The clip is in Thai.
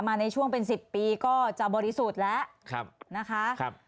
ในช่วงเป็น๑๐ปีก็จะบริสุทธิ์แล้วนะคะ